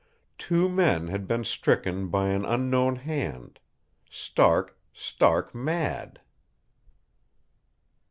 Two men had been stricken by an unknown hand stark, stark mad.